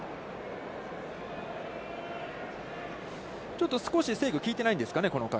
ちょっと少し制御が効いていないんですかね、この回。